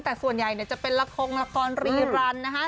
แต่ส่วนใหญ่เนี่ยจะเป็นละครละครรีรันนะฮะ